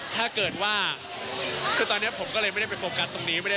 ถ้าเกิดว่าคือตอนนี้ผมก็เลยไม่ได้ไปโฟกัสตรงนี้